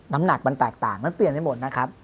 น้ำหนักมันแตกต่างมันเปลี่ยนไปหมดนะครับ